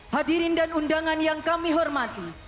hadirin dan undangan yang kami hormati